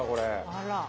あら。